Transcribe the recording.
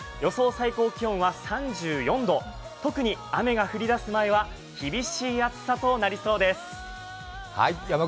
最高気温は３４度、特に雨が降り出す前は厳しい暑さとなりそうです。